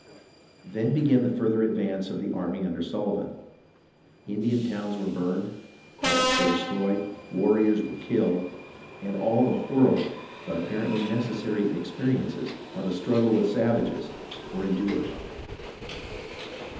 Then began the further advance of the army under Sullivan. Indian towns were burned, crops were destroyed, warriors were killed, and all the horrible, but apparently necessary, experiences of a struggle with savages were endured.